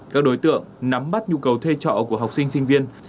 các đối tượng nắm bắt nhu cầu thuê trọ của học sinh sinh viên